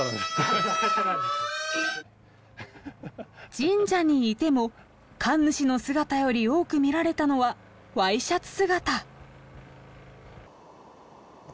神社にいても神主の姿より多く見られたのはＹシャツ姿。